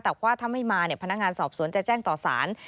แต่ว่าถ้าไม่มาพนักงานสอบสวนจะแจ้งต่อสาร